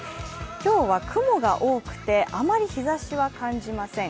今日は雲が多くてあまり日ざしは感じません。